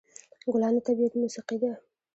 ګلان د طبیعت موسيقي ده.